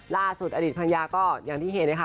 ล่าสุดอดีตภรรยาก็ยังที่เห็นเลยค่ะ